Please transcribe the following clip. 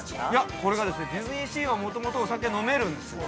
◆これがですね、ディズニーシーは、もともとお酒が飲めるんですよ。